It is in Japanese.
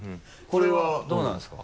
これはどうなんですか？